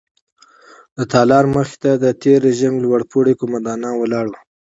د تالار مخې ته د تېر رژیم لوړ پوړي قوماندان ولاړ وو.